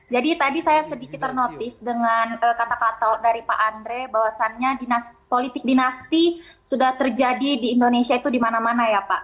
tadi saya sedikit ternotis dengan kata kata dari pak andre bahwasannya dinas politik dinasti sudah terjadi di indonesia itu di mana mana ya pak